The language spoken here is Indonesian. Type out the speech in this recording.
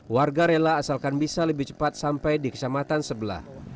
warga rela asalkan bisa lebih cepat sampai di kecamatan sebelah